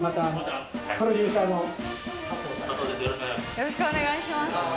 よろしくお願いします。